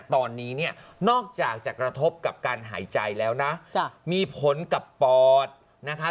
ตอนนี้เนี่ยนอกจากจะกระทบกับการหายใจแล้วนะมีผลกับปอดนะคะ